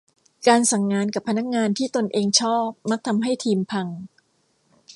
การสั่งงานกับพนักงานที่ตนเองชอบมักทำให้ทีมพัง